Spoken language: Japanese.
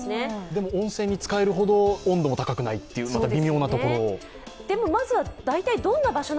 でも、温泉に使えるほど温度も高くないという、また微妙なところ。